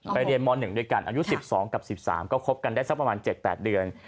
เรียนม๑ด้วยกันอายุ๑๒กับ๑๓ก็คบกันได้สักประมาณ๗๘เดือน